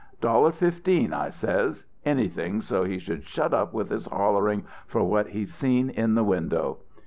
'Dollar fifteen,' I says anything so he should shut up with his hollering for what he seen in the window."